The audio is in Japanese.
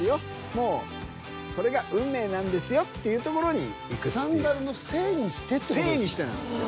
もうそれが運命なんですよっていうところにいくっていうサンダルのせいにしてせいにしてなんですよ